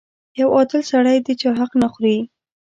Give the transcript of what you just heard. • یو عادل سړی د چا حق نه خوري.